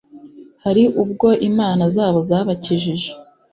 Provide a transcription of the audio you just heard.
hari ubwo imana zabo zabakijije?